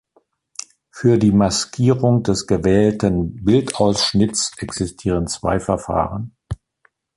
Für die Maskierung des gewählten Bildausschnitts existieren zwei Verfahren.